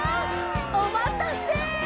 おまたせ！